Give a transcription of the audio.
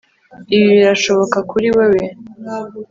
Ibi birashoboka kuri wewe